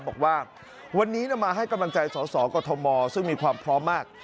บอกว่าวันนี้มาให้กำลังใจสสกมซึ่งมีความพร้อมมาก